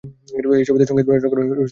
এই ছবিতে সংগীত পরিচালনা করেন রাজেশ রোশন।